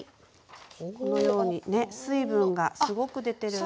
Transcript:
このように水分がすごく出てるんです。